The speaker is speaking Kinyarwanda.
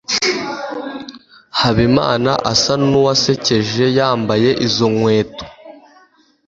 habimana asa nuwasekeje yambaye izo nkweto